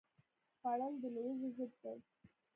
خوړل د لوږې ضد دی